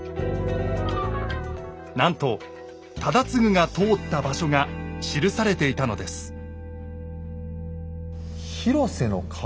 なんと忠次が通った場所が記されていたのです「廣瀬の河」？